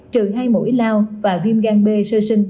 trừ hai mũi lao và viêm gan b sơ sinh